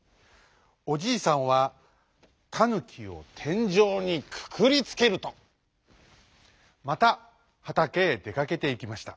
おじいさんはタヌキをてんじょうにくくりつけるとまたはたけへでかけていきました。